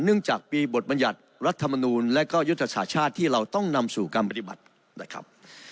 เนื่องจากมีบทบัญญัติรัฐมนูลและก็ยุทธศาสตร์ชาติที่เราต้องนำสู่การปฏิบัตินะครับ